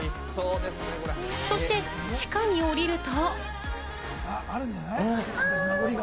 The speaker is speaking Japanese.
そして地下におりると。